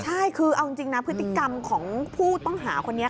ใช่คือเอาจริงนะพฤติกรรมของผู้ต้องหาคนนี้